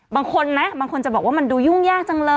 บางคนนะบางคนจะบอกว่ามันดูยุ่งยากจังเลย